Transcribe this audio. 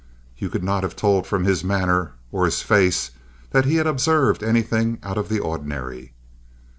You could not have told from his manner or his face that he had observed anything out of the ordinary.